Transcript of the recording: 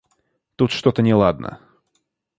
Тут что-то неладно.